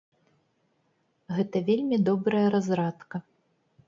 Гэта вельмі добрая разрадка.